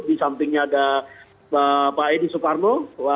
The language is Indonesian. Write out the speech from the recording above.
di sampingnya ada pak edi soekarno